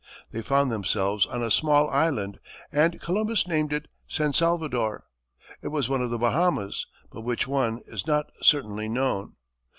They found themselves on a small island, and Columbus named it San Salvador. It was one of the Bahamas, but which one is not certainly known.